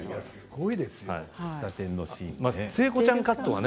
聖子ちゃんカットはね